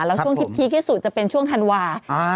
แล้วช่วงที่พีคที่สุดจะเป็นช่วงธันวา